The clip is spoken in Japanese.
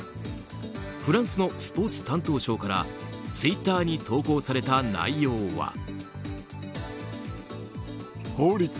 フランスのスポーツ担当相からツイッターに投稿された内容は。